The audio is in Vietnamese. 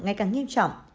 ngay càng nghiêm trọng